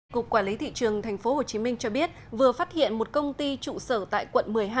cục quản lý thị trường tp hcm cho biết vừa phát hiện một công ty trụ sở tại quận một mươi hai